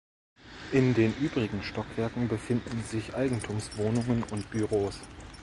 In den übrigen Stockwerken befinden sich Eigentumswohnungen und Büros.